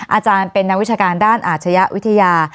อาจารย์เป็นนักวิชาการด้านอาชญะวิทยา